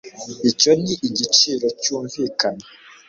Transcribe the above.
Icyo ni igiciro cyumvikana